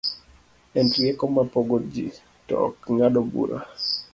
en rieko ma pogo ji, to ok ng'ado bura